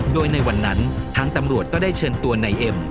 โดยในวันนั้นทางตำรวจก็ได้เชิญตัวนายเอ็ม